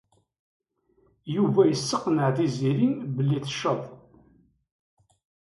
Yuba yesseqneɛ Tiziri belli tecceḍ.